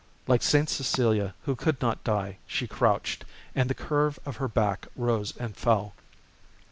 Like St. Cecilia, who could not die, she crouched, and the curve of her back rose and fell.